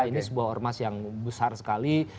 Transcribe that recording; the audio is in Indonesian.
ini sebuah ormas yang besar sekali